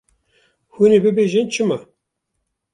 Hûn ê bibêjin çima?